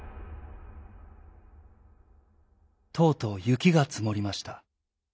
とうとうゆきがつもりました。